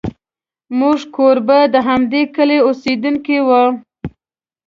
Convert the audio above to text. زموږ کوربه د همدې کلي اوسېدونکی و.